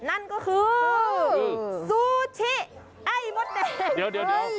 นั่นก็คือซูชิไอ้มดแดง